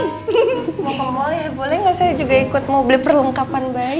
oh boleh boleh gak saya juga ikut mau beli perlengkapan bayi